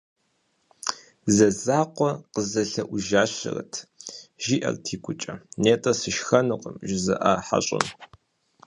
«Зэзакъуэ къызэлъэӏужащэрэт», жиӏэрт игукӏэ, нетӏэ «сышхэнукъым» жызыӏа хьэщӏэм.